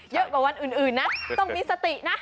เยอะกว่าวันอื่นนะต้องมีสตินะ